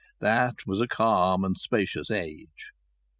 That was a calm and spacious age.